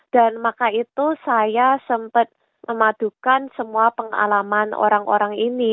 dan maka itu saya sempat memadukan semua pengalaman orang orang ini